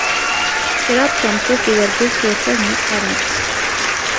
Sekraɣ-d tameṭṭut d urgaz s urfad n uqeṛṛu.